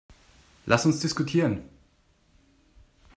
Lass uns diskutieren.